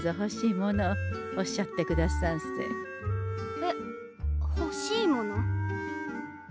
えっ欲しいもの？